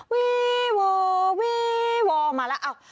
วีวอวีวอมาแล้ว